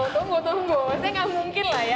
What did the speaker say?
tunggu tunggu saya nggak mungkin lah ya